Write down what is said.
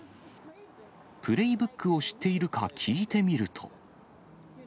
プレイブックを知っているか聞いてみると。